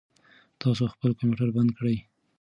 تاسو خپل کمپیوټر بند کړئ.